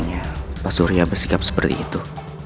gak biasanya pak surya bersikap seperti itu